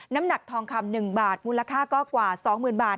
น้ำหนักทองคำ๑บาทมูลค่าก็กว่า๒๐๐๐บาท